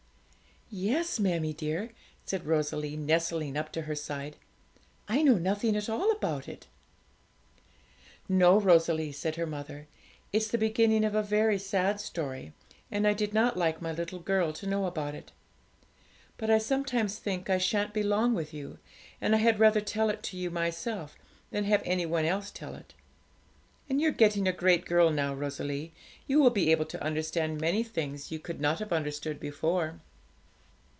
'Yes, mammie dear,' said Rosalie, nestling up to her side; 'I know nothing at all about it.' 'No, Rosalie,' said her mother; 'it's the beginning of a very sad story, and I did not like my little girl to know about it; but I sometimes think I sha'n't be long with you, and I had rather tell it to you myself than have any one else tell it. And you're getting a great girl now, Rosalie; you will be able to understand many things you could not have understood before.